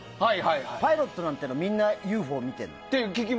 パイロットはみんなＵＦＯ見てるの。